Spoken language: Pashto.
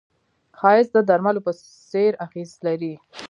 ښایست د درملو په څېر اغېز لري